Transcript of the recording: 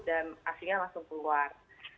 dan aslinya langsung keluar